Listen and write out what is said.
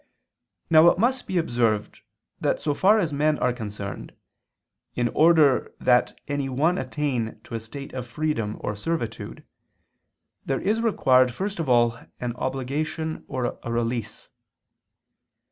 Now it must be observed, that so far as men are concerned, in order that any one attain to a state of freedom or servitude there is required first of all an obligation or a release.